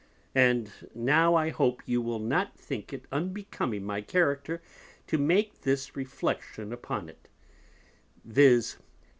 'And now I hope you will not think it unbecoming my Character to make this Reflection upon it, _viz.